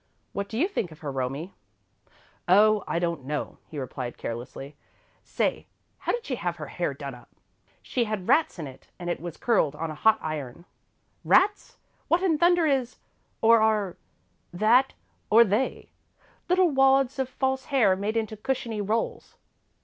What do you think of her, Romie?" "Oh, I don't know," he replied carelessly. "Say, how did she have her hair done up?" "She had rats in it, and it was curled on a hot iron." "Rats? What in thunder is or are that, or they?" "Little wads of false hair made into cushiony rolls."